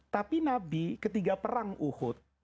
tapi nabi ketiga perang uhud